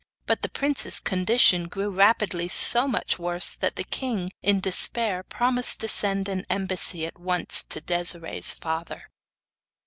But the prince's condition grew rapidly so much worse that the king, in despair, promised to send an embassy at once to Desiree's father.